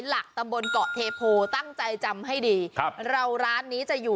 หลักตำบลเกาะเทพโปรตั้งใจจำให้ได้เราจะอยู่